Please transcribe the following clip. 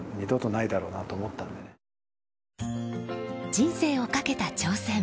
人生をかけた挑戦。